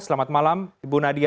selamat malam ibu nadia